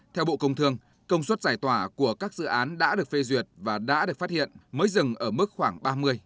theo bộ công thương công suất giải tỏa của các dự án đã được phê duyệt và đã được phát hiện mới dừng ở mức khoảng ba mươi ba mươi